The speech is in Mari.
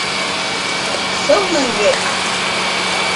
Сылнын вет?